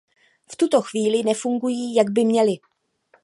V tuto chvíli nefungují, jak by měly.